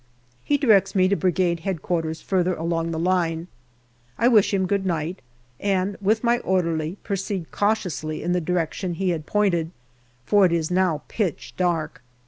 He directs me to Brigade H.Q., further along the line. I wish him " Good night," and with my orderly proceed cautiously in the direction he had pointed, for it is now pitch dark.